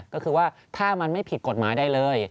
ก็คือว่าถ้ามันไม่ผิดกฎหมายได้เลย